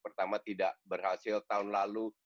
pertama tidak berhasil tahun lalu